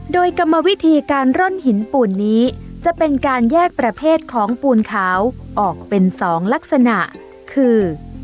โดยกรรมวิธีการร่อนหินปูนนี้จะเป็นการแยกประเภทของปูนขาวออกเป็น๒ลักษณะคือ